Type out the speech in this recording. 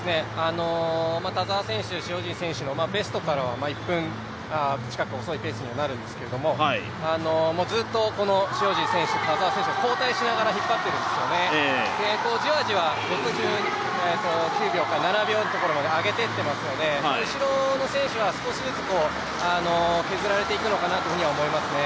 田澤選手、塩尻選手のベストからは１分近く遅いペースになるんですけども、ずっと塩尻選手、田澤選手、交代しながら引っ張っているんですよね、じわじわ、６９秒ぐらいのところに上げていっていますので後ろの選手は少しずつ削られていくのかなと思いますね。